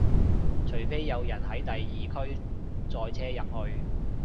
除非有人喺第二區截車入去